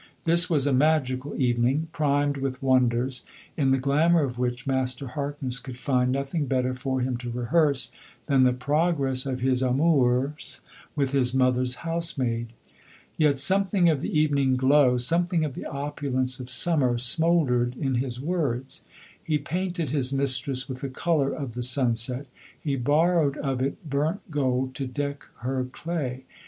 This was a magical evening, primed with wonders, in the glamour of which Master Harkness could find nothing better for him to rehearse than the progress of his amours with his mother's housemaid. Yet something of the evening glow, something of the opulence of summer smouldered in his words. He painted his mistress with the colour of the sunset, he borrowed of it burnt gold to deck her clay.